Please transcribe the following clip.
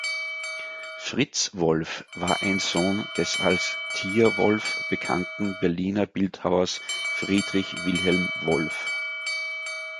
Fritz Wolff war ein Sohn des als „Tier-Wolff“ bekannten Berliner Bildhauers Friedrich Wilhelm Wolff.